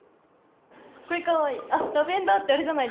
これかわいい。